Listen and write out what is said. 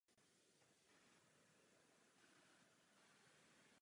Příkaz k sériové výrobě nebyl vydán.